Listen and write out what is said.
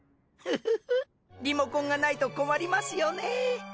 フフフリモコンがないと困りますよね。